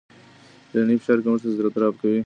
ذهني فشار کمښت اضطراب راکموي.